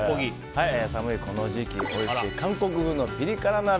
寒いこの時期おいしい韓国風のピリ辛鍋。